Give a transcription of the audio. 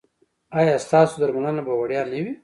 ایا ستاسو درملنه به وړیا نه وي؟